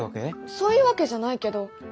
そういうわけじゃないけど。